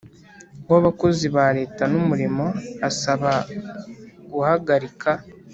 w Abakozi ba Leta n Umurimo asaba guhagarika